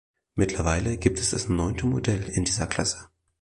Mittlerweile gibt es das neunte Modell in dieser Klasse.